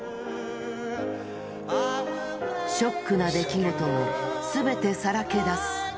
ショックな出来事もすべてさらけ出す。